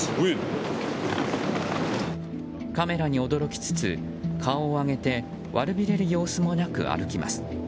カメラに驚きつつ、顔を上げて悪びれる様子もなく歩きます。